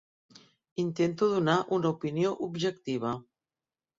Intento donar una opinió objectiva.